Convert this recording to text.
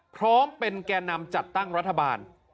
พร้อมเป็นแก่นำจัดตั้งรัฐบาล